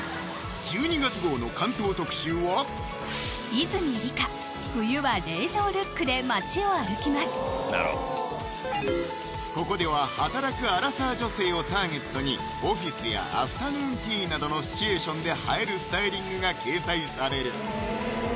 １２月号の巻頭特集はここでは働くアラサー女性をターゲットにオフィスやアフタヌーンティーなどのシチュエーションで映えるスタイリングが掲載される